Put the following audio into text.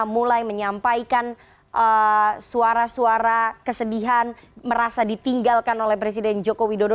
mulai menyampaikan suara suara kesedihan merasa ditinggalkan oleh presiden joko widodo